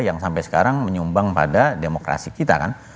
yang sampai sekarang menyumbang pada demokrasi kita kan